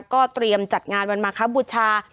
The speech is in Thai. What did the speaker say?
ก็เตรียมจัดงานวันมาคบูชา